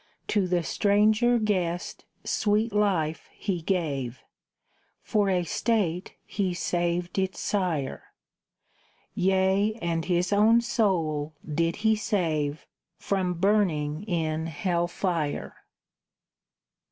To the stranger guest sweet life he gave; For a State he saved its Sire; Yea, and his own soul did he save From burning in hell fire.